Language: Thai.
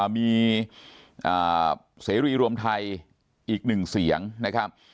มีเสรีรุยรวมไทยอีก๑เสียงนะครับ